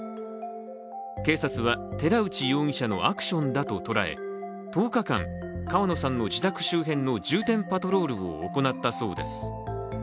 警察は寺内容疑者のアクションだと捉え、１０日間、川野さんの自宅周辺の重点パトロールを行ったそうです。